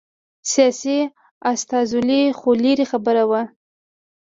سیاسي استازولي خو لرې خبره وه